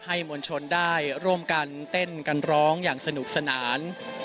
มวลชนได้ร่วมกันเต้นกันร้องอย่างสนุกสนาน